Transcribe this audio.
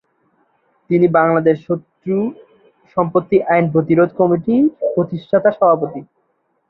তিনি বাংলাদেশ শত্রু সম্পত্তি আইন প্রতিরোধ কমিটির প্রতিষ্ঠাতা সভাপতি।